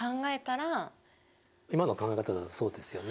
今の考え方だとそうですよね。